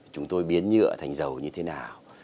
chúng tôi biến nhựa thành dầu như thế nào